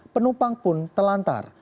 penumpang pun telantar